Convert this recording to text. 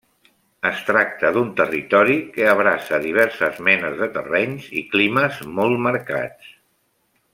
Es tracta d'un territori que abraça diverses menes de terrenys i climes molt marcats.